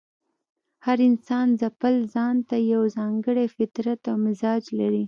هر انسان ځپل ځان ته یو ځانګړی فطرت او مزاج لري.